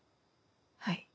はい。